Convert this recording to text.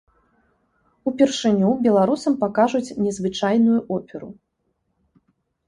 Упершыню беларусам пакажуць незвычайную оперу.